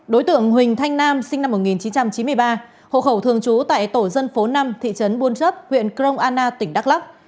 đối tượng huỳnh thanh nam sinh năm một nghìn chín trăm chín mươi ba hộ khẩu thường trú tại tổ dân phố năm thị trấn buôn chấp huyện krong anna tỉnh đắk lắc